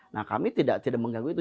nah kami tidak mengganggu itu